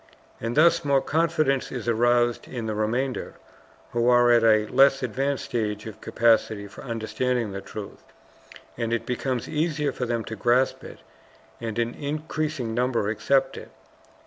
And thus more confidence is aroused in the remainder, who are at a less advanced stage of capacity for understanding the truth. And it becomes easier for them to grasp it, and an increasing number accept it.